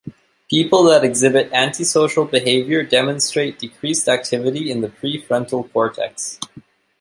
People that exhibit antisocial behavior demonstrate decreased activity in the prefrontal cortex.